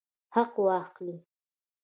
حق واخلئ